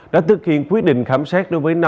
đã thực hiện quyết định khám xét đối với